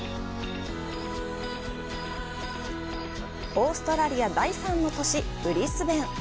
オーストラリア第３の都市、ブリスベン。